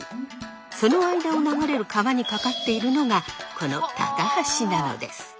その間を流れる川に架かっているのがこの高橋なのです。